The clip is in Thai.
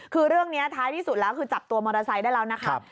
คือเรื่องนี้ท้ายที่สุดแล้วคือจับตัวมอเตอร์ไซค์ได้แล้วนะครับ